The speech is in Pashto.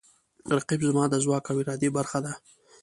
رقیب زما د ځواک او ارادې برخه ده